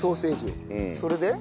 それで。